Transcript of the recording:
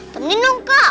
tunggu dong kak